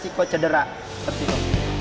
jika cedera beresiko